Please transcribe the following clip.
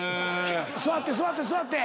座って座って座って。